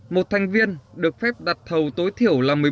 một thành viên được phép đặt thầu tối thiểu là một mươi sáu tám trăm linh lượng